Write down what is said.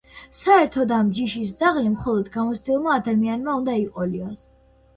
საერთოდ ამ ჯიშის ძაღლი მხოლოდ გამოცდილმა ადამიანმა უნდა იყოლიოს.